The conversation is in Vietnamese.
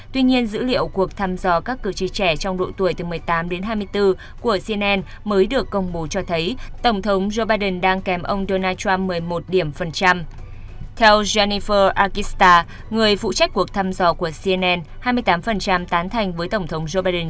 tuy nhiên dữ liệu cuộc thăm dò các cử tri trẻ trong độ tuổi từ một mươi tám đến hai mươi bốn của cnn mới được công bố cho thấy tổng thống joe biden đang kém ông donald trump một mươi một điểm phần trăm